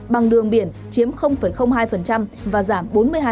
bằng đường biển chiếm hai và giảm bốn mươi hai